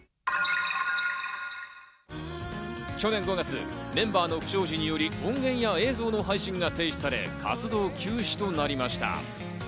去年５月、メンバーの不祥事により音源や映像の配信が停止され活動休止となりました。